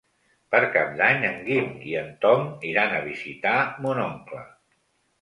Per Cap d'Any en Guim i en Tom iran a visitar mon oncle.